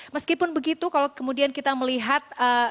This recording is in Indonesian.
meskipun begitu kalau kemudian kita melihat